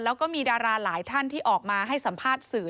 แล้วก็มีดาราหลายท่านที่ออกมาให้สัมภาษณ์สื่อ